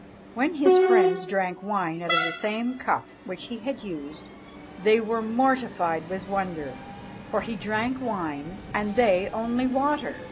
When his friends drank wine out of the same cup which he had used, they were mortified with wonder; for he drank wine, and they only water!